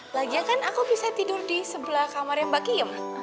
lagi ya kan aku bisa tidur di sebelah kamarnya mbak kiem